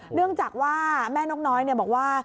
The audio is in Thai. เนื่องจากว่าแม่นกน้อยบอกว่า